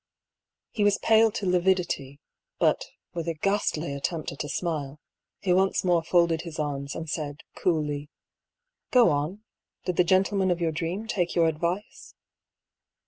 He was pale to lividity, but, with a ghastly attempt at a smile, he once more folded his arms, and said, coolly :" Go on. Did the gentleman of your dream take your advice